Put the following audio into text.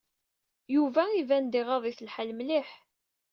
Yuba iban-d iɣaḍ-it lḥal mliḥ.